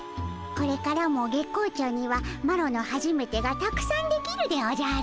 これからも月光町にはマロのはじめてがたくさんできるでおじゃる。